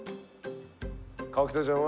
河北ちゃんは？